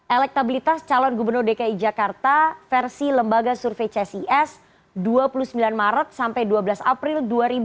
elektabilitas calon gubernur dki jakarta versi lembaga survei csis dua puluh sembilan maret sampai dua belas april dua ribu dua puluh